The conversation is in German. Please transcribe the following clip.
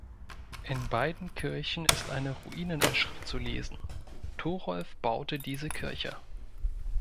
In beiden Kirchen ist eine Ruineninschrift zu lesen: „Torolf baute diese Kirche“.